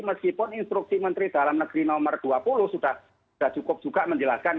meskipun instruksi menteri dalam negeri nomor dua puluh sudah cukup juga menjelaskan